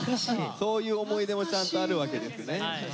そういう思い出もちゃんとあるわけですね。